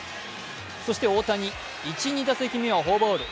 そして大谷、１、２打席目はフォアボール。